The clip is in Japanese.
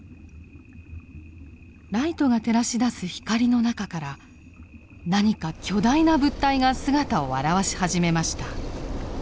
ライトが照らし出す光の中から何か巨大な物体が姿を現し始めました。